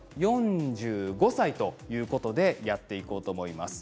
今回は４５歳ということでやっていこうと思います。